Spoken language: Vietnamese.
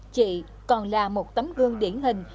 chị còn là một tấm gương điển hình